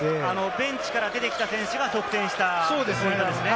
ベンチから出てきた選手が得点したポイントですね。